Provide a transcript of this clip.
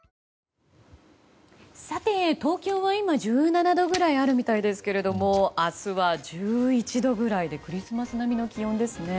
東京は今１７度くらいあるみたいですが明日は１１度ぐらいでクリスマス並みの気温ですね。